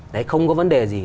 đấy không có vấn đề gì